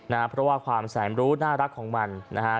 นะฮะเพราะว่าความแสนรู้น่ารักของมันนะฮะ